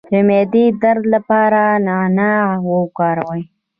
د معدې درد لپاره نعناع وکاروئ